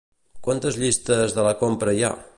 Quantes llistes de la compra hi ha?